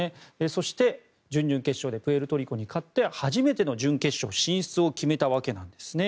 そして、準々決勝でプエルトリコに勝って初めての準決勝進出を決めたわけですね。